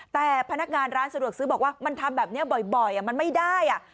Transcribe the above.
แต่พนักงานร้านสะดวกซื้อบอกว่ามันทำแบบนี้บ่อยมันไม่ได้